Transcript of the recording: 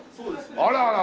あららら。